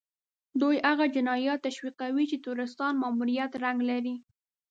دوی هغه جنايات تشويقوي چې د تروريستانو ماموريت رنګ لري.